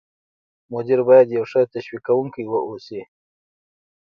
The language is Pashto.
مدیر باید یو ښه تشویق کوونکی واوسي.